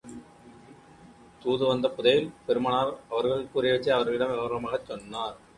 தூது வந்த புதைல், பெருமானார் அவர்கள் கூறியவற்றை அவர்களிடம் விவரமாகச் சொன்னார்.